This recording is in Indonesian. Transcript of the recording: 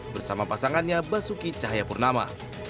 bersama pasangannya basuki cahayapurnama